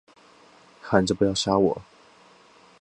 喊着不要杀我